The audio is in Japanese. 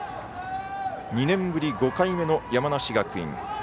２年ぶり５回目の山梨学院。